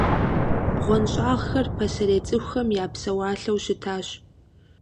БгъуэнщӀагъхэр пасэрей цӀыхухэм я псэуалъэу щытащ.